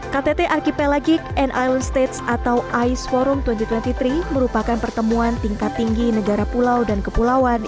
ktt archipelagic and island states atau ais forum dua ribu dua puluh tiga merupakan pertemuan tingkat tinggi negara pulau dan kepulauan